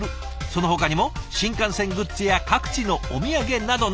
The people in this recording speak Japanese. そのほかにも新幹線グッズや各地のお土産などなど。